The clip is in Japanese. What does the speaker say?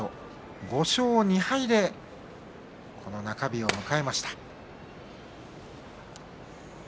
５勝２敗でこの中日を迎えました。